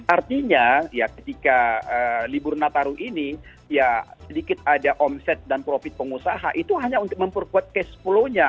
artinya ya ketika libur nataru ini ya sedikit ada omset dan profit pengusaha itu hanya untuk memperkuat cash flow nya